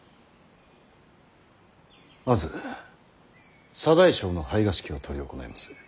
まず左大将の拝賀式を執り行います。